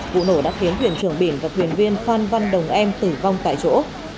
vụ nổ đã khiến thuyền trưởng biển và thuyền viên phan văn đồng em tử vong tại chỗ